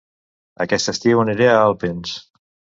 Aquest estiu aniré a Alpens